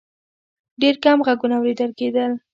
ډېر کم غږونه اورېدل کېدل.